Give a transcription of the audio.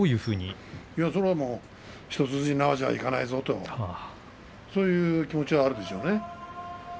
一筋縄じゃいかないぞという気持ちはあるでしょうね。